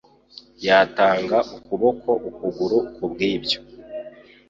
Yatanga ukuboko ukuguru kubwibyo.